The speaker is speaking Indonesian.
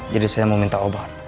jadi saya mau minta obat